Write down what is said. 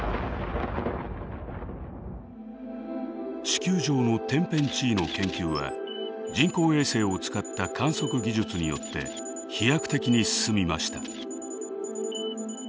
地球上の天変地異の研究は人工衛星を使った観測技術によって飛躍的に進みました。